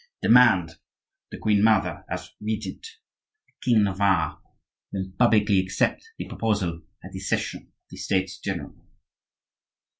Demand the queen mother as regent; the king of Navarre will publicly accept the proposal at the session of the States general."